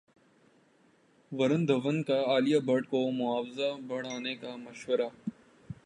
ورن دھون کا عالیہ بھٹ کو معاوضہ بڑھانے کا مشورہ